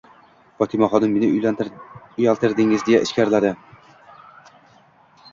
Fotimaxon, meni uyaltirdingiz, — deya ichkariladi.